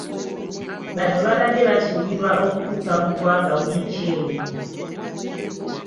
Bano babadde basuubirwa okutuuka mu ggwanga wiiki eno.